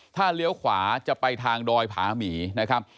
ถ้าเลี้ยวขวาจะไปทางดอยผาหมีนะครับ